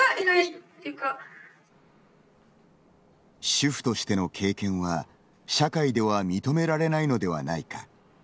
主婦としての経験は社会では認められないのではないか。